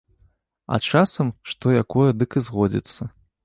А часам што якое дык і згодзіцца.